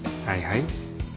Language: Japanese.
はいはい。